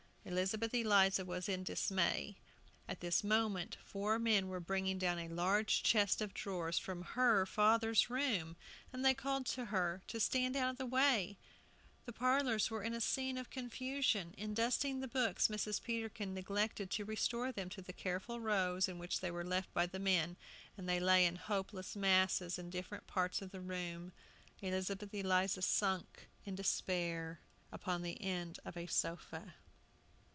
Elizabeth Eliza was in dismay. At this moment four men were bringing down a large chest of drawers from her father's room, and they called to her to stand out of the way. The parlors were a scene of confusion. In dusting the books Mrs. Peterkin neglected to restore them to the careful rows in which they were left by the men, and they lay in hopeless masses in different parts of the room. Elizabeth Eliza sunk in despair upon the end of a sofa.